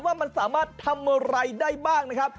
ว่ามันสามารถทำอะไรได้บ้างนะครับ